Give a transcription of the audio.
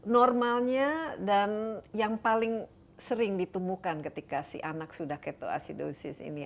normalnya dan yang paling sering ditemukan ketika si anak sudah ketoasidosis ini